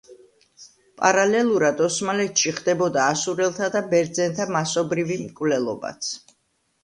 პარალელურად, ოსმალეთში ხდებოდა ასურელთა და ბერძენთა მასობრივი მკვლელობაც.